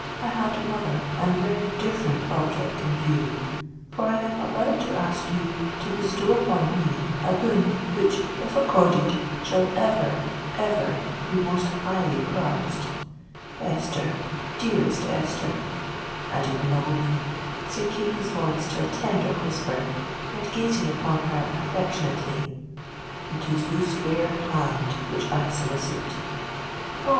I had another and very different object in view; for I am about to ask you to bestow upon me a boon which, if accorded, shall ever—ever be most highly prized. Esther—dearest Esther," added the nobleman, sinking his voice to a tender whisper, and gazing upon her affectionately, "it is this fair hand which I solicit!" "Oh!